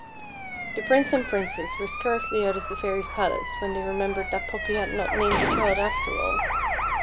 The Prince and Princess were scarcely out of the Fairy's palace when they remembered that Poppy had not named the child after all.